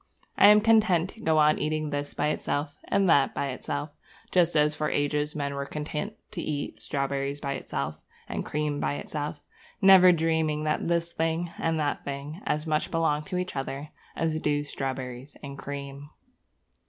I am content to go on eating this by itself and that by itself, just as for ages men were content to eat strawberries by themselves and cream by itself, never dreaming that this thing and that thing as much belong to each other as do strawberries and cream.